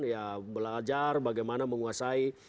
ya belajar bagaimana menguasai